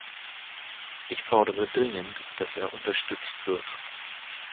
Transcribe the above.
Ich fordere dringend, dass er unterstützt wird.